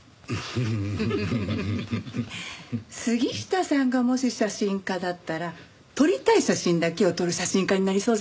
杉下さんがもし写真家だったら撮りたい写真だけを撮る写真家になりそうじゃないですか？